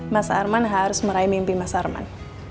mas arman harus meraih mimpi mas arman